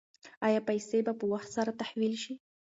ایا پیسې به په وخت سره تحویل شي؟